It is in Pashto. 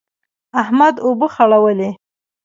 احمد اوبه خړولې.